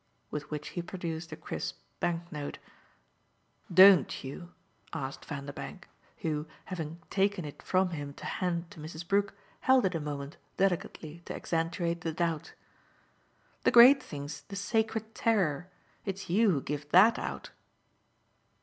With which he produced a crisp banknote. "DON'T you?" asked Vanderbank, who, having taken it from him to hand to Mrs. Brook, held it a moment, delicately, to accentuate the doubt. "The great thing's the sacred terror. It's you who give THAT out."